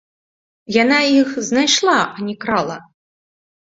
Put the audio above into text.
Яна іх знайшла, а не крала!